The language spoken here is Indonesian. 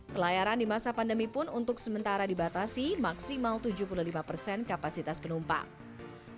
pelayaran di masa pandemi pun untuk sementara dibatasi maksimal tujuh puluh lima persen kapasitas penumpang